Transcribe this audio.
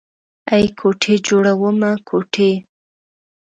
ای کوټې جوړومه کوټې.